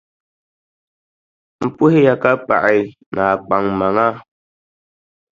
M puhiya ka paɣi, ni a kpaŋmaŋa.